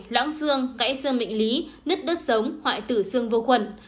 lãng xương cãi xương mệnh lý nứt đất sống hoại tử xương vô quần